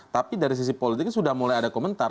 tapi dari sisi politiknya sudah mulai ada komentar